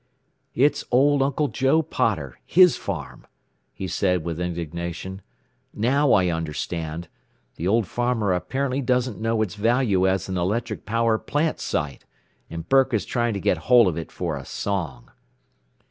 "It's old Uncle Joe Potter his farm," he said with indignation. "Now I understand. The old farmer apparently doesn't know its value as an electric power plant site, and Burke is trying to get hold of it for a song."